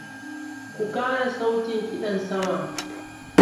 Ku kara soutin kiɗan sama!